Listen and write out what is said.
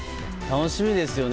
楽しみですよね。